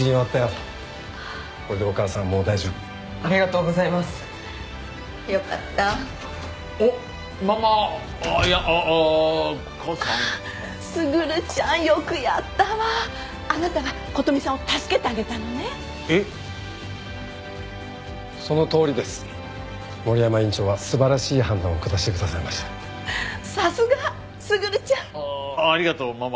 あありがとうママ。